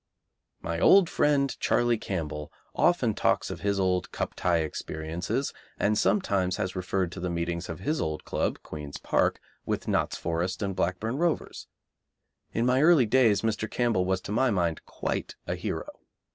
My old friend, Charlie Campbell, often talks of his old Cup tie experiences, and sometimes has referred to the meetings of his old club, Queen's Park, with Notts Forest and Blackburn Rovers. In my early days Mr. Campbell was to my mind quite a hero.